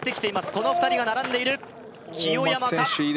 この２人が並んでいる清山か？